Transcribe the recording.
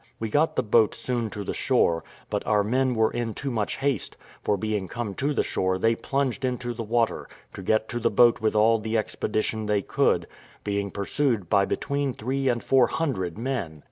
We got the boat soon to the shore, but our men were in too much haste; for being come to the shore, they plunged into the water, to get to the boat with all the expedition they could, being pursued by between three and four hundred men.